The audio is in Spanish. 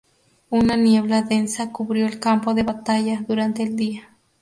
Una niebla densa cubrió el campo de batalla durante el día.